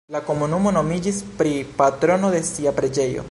La komunumo nomiĝis pri patrono de sia preĝejo.